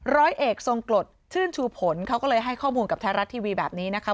ร้อยเอกทรงกรดชื่นชูผลเขาก็เลยให้ข้อมูลกับไทยรัฐทีวีแบบนี้นะคะ